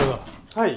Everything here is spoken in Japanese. はい。